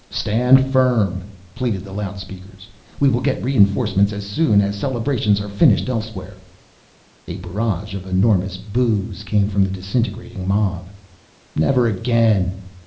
"Stand firm!" pleaded the loudspeakers. "We will get reinforcements as soon as celebrations are finished elsewhere." A barrage of enormous boos came from the disintegrating mob. "Never again!